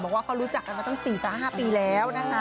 ว่าเขารู้จักกันมาตั้ง๔๕ปีแล้วนะคะ